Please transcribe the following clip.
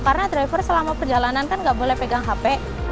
karena driver selama perjalanan kan nggak boleh pegang hp